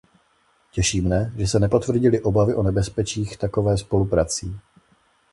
Těší mne, že se nepotvrdily obavy o nebezpečích takové spoluprací.